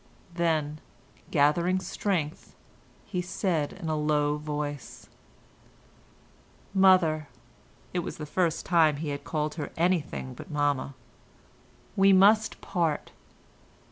Then, gathering strength, he said in a low voice: "Mother," (it was the first time he had called her anything but "mamma"?) "we must part."